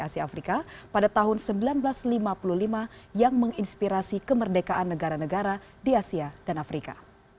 asia afrika pada tahun seribu sembilan ratus lima puluh lima yang menginspirasi kemerdekaan negara negara di asia dan afrika